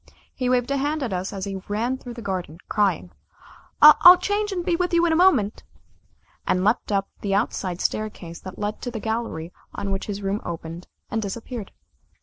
He waved a hand at us as he ran through the garden crying: "I'll change, and be with you in a moment," and leapt up the outside staircase that led to the gallery on which his room opened, and disappeared.